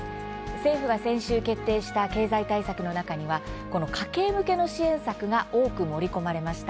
政府が先週、決定した経済対策の中にはこの家計向けの支援策が多く盛り込まれました。